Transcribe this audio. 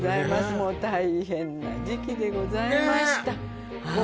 もう大変な時期でございましたねえ